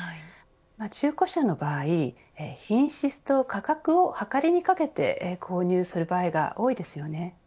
中古車の場合品質と価格をはかりにかけて購入する場合が多いですよね。